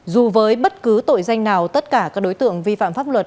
dù với bất cứ tội danh nào tất cả các đối tượng vi phạm pháp luật